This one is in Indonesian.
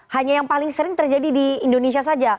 hanya yang paling sering terjadi di indonesia saja